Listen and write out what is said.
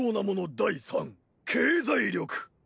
第三経済力！